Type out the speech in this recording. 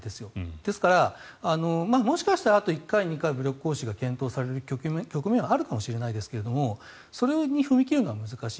ですから、もしかしたらあと１回２回武力行使が検討される局面はあるかもしれませんがそれに踏み切るのは難しい。